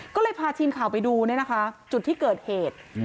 ก็เลยพาทีมข่าวไปดูเนี่ยนะคะจุดที่เกิดเหตุ